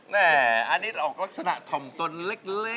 อันนี้ออกลักษณะถ่อมตนเล็ก